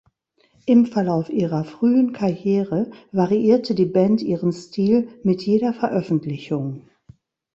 Im Verlauf ihrer frühen Karriere variierte die Band ihren Stil mit jeder Veröffentlichung.